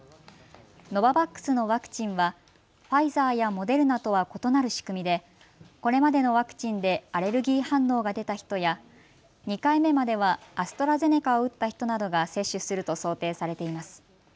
ノババックスのワクチンはファイザーやモデルナとは異なる仕組みで、これまでのワクチンでアレルギー反応が出た人や２回目まではアストラゼネカを打った人などが接種すると想定されています。